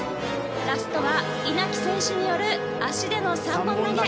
ラストは稲木選手による足での３本投げ。